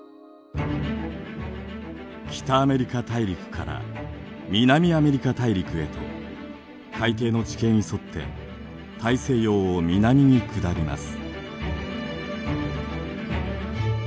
北アメリカ大陸から南アメリカ大陸へと海底の地形に沿って大西洋を南に下ります。